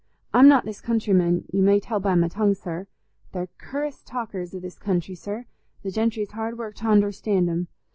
I'm not this countryman, you may tell by my tongue, sir. They're cur'ous talkers i' this country, sir; the gentry's hard work to hunderstand 'em.